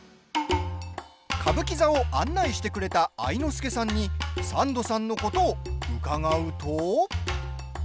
歌舞伎座を案内してくれた愛之助さんにサンドさんのことを伺うと。